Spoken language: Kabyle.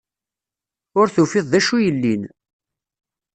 Ur tufiḍ d acu yellin.